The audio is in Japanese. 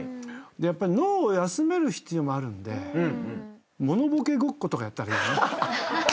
やっぱり脳を休める必要もあるんで物ボケごっことかやったらいいよね。